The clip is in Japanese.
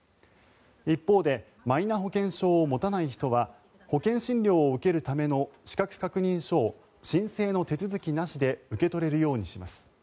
一方でマイナ保険証を持たない人は保険診療を受けるための資格確認書を申請の手続きなしで受け取れるようにします。